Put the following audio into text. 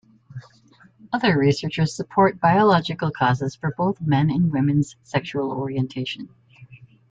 Other researchers support biological causes for both men and women's sexual orientation.